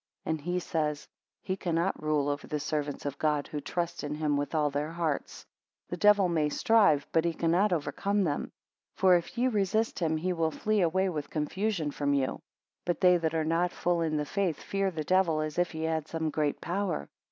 And he said; He cannot rule over the servants of God, who trust in him with all their hearts. 26 The devil may strive, but he cannot overcome them. 27 For if ye resist him, he will flee away with confusion from you. But they that are not full in the faith, fear the devil, as if he had some great power.